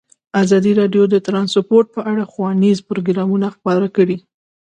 ازادي راډیو د ترانسپورټ په اړه ښوونیز پروګرامونه خپاره کړي.